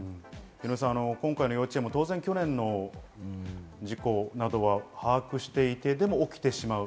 ヒロミさん、今回の幼稚園の去年の事故などは把握していて、でも起きてしまう。